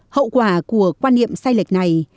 hậu quả của quan niệm sai lệch này